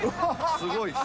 すごいです。